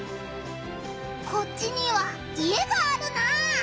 こっちには家があるなあ。